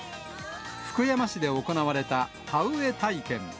福山市で行われた田植え体験。